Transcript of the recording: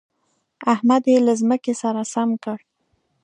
احمد يې له ځمکې سره سم کړ.